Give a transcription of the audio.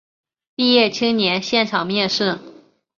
毕业青年现场面试